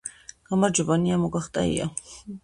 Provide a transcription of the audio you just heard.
გამარჯობა ნია მოგახტა ია